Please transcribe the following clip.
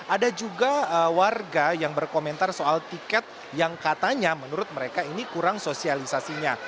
ada juga warga yang berkomentar soal tiket yang katanya menurut mereka ini kurang sosialisasinya